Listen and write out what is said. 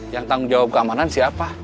yang tanggung jawab keamanan siapa